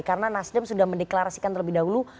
karena nasdem sudah mendeklarasikan terlebih dahulu